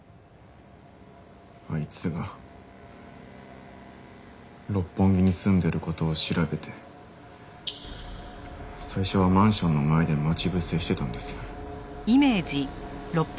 あいつが六本木に住んでる事を調べて最初はマンションの前で待ち伏せしてたんです。